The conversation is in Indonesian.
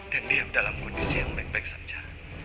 dan diam dalam kondisi yang baik baik saja